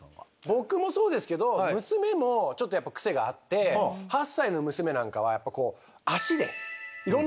僕もそうですけど娘もちょっとやっぱクセがあって８歳の娘なんかは足でいろんな物を触っちゃうんですよ。